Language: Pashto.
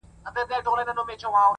وموږ تې سپكاوى كاوه زموږ عزت يې اخيست!